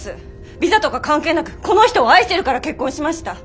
ビザとか関係なくこの人を愛してるから結婚しました。